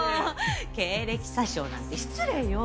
経歴詐称なんて失礼よ。